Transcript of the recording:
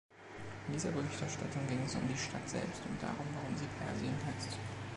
In dieser Berichterstattung ging es um die Stadt selbst und darum, warum sie Persien heißt.